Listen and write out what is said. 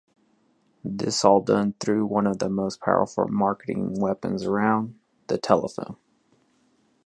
This all done through one of the most powerful marketing weapons around, the telephone.